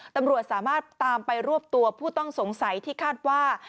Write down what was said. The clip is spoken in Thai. ตำรวจสามารถตามไปรวบตัวผู้ต้องสงสัยที่คาดว่า